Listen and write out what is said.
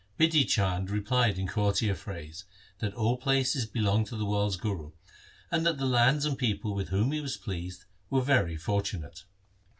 Bidhi Chand replied in courtier phrase, that all places belonged to the world's Guru, and that the lands and people with whom he was pleased were very fortunate.